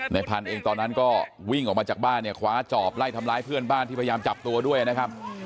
พันธุ์เองตอนนั้นก็วิ่งออกมาจากบ้านเนี่ยคว้าจอบไล่ทำร้ายเพื่อนบ้านที่พยายามจับตัวด้วยนะครับ